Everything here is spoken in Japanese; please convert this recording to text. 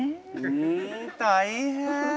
うん大変。